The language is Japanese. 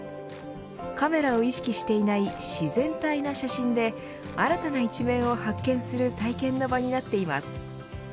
カメラを意識していない自然体な写真で新たな一面を発見する体験の場になっています。